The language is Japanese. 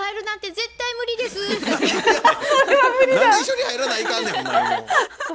何で一緒に入らないかんねんほんまにもう。